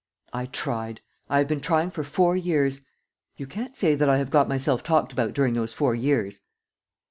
"I tried. I have been trying for four years. ... You can't say that I have got myself talked about during those four years!"